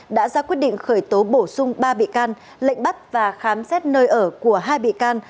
đã ra quyết định khởi tố bổ sung ba bị can lệnh bắt và khám xét nơi ở của hai bị can